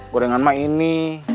gorengan mah ini